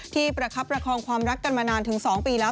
ประคับประคองความรักกันมานานถึง๒ปีแล้ว